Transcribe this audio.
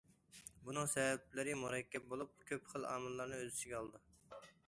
بۇنىڭ سەۋەبلىرى مۇرەككەپ بولۇپ، كۆپ خىل ئامىللارنى ئۆز ئىچىگە ئالىدۇ.